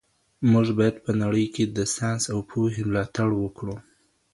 موږ باید په نړۍ کي د ساینس او پوهي ملاتړ وکړو.